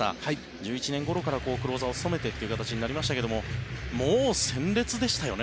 １１年ごろから、クローザーを務めてという形になりましたがもう鮮烈でしたよね